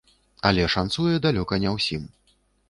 Але шанцуе далёка не ўсім.